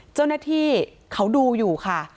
เจ้าหน้าที่เขาดูอยู่ค่ะ